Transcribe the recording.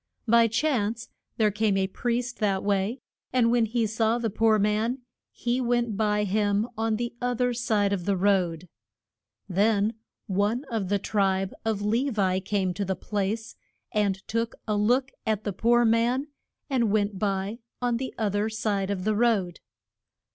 By chance there came a priest that way, and when he saw the poor man he went by him on the oth er side of the road. Then one of the tribe of Le vi came to the place, and took a look at the poor man, and went by on the oth er side of the road.